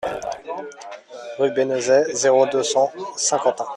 Rue Bénezet, zéro deux, cent Saint-Quentin